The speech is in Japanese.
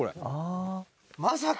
「まさか！」